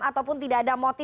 ataupun tidak ada motif